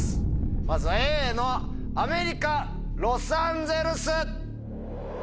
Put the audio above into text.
まずはＡのアメリカロサンゼルス。